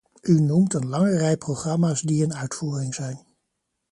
U noemt een lange rij programma’s die in uitvoering zijn.